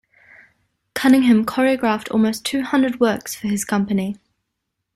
Cunningham choreographed almost two hundred works for his company.